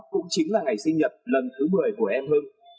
cũng chính là ngày sinh nhật lần thứ một mươi của em hưng